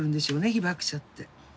被爆者って。